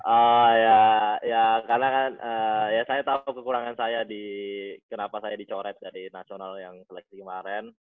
ah ya karena kan ya saya tau kekurangan saya di kenapa saya dicoret dari national yang seleksi kemarin